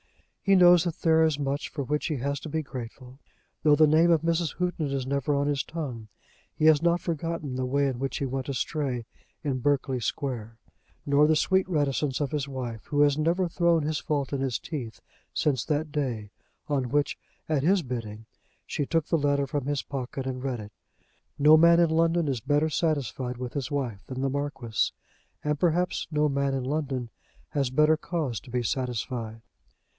He knows that there is much for which he has to be grateful. Though the name of Mrs. Houghton is never on his tongue, he has not forgotten the way in which he went astray in Berkeley Square, nor the sweet reticence of his wife, who has never thrown his fault in his teeth since that day on which, at his bidding, she took the letter from his pocket and read it. No man in London is better satisfied with his wife than the Marquis, and perhaps no man in London has better cause to be satisfied.